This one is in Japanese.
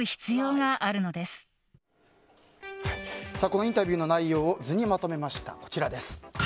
このインタビューの内容を図にまとめました。